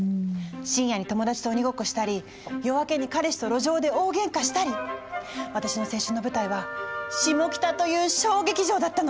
深夜に友達と鬼ごっこしたり夜明けに彼氏と路上で大げんかしたり私の青春の舞台はシモキタという小劇場だったの。